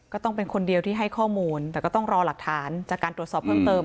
ก็ต้องเป็นคนเดียวที่ให้ข้อมูลแต่ก็ต้องรอหลักฐานจากการตรวจสอบเพิ่มเติม